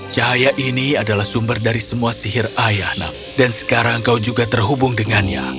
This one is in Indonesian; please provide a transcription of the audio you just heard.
cahaya ini adalah sumber dari semua sihir ayah nak dan sekarang kau juga terhubung dengannya